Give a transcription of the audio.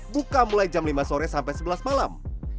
buka mulai jam lima sore sampai sebelas malam